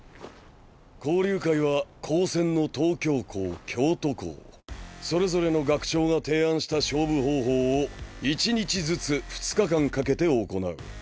交流会は高専の東京校京都校それぞれの学長が提案した勝負方法を１日ずつ２日間かけて行う。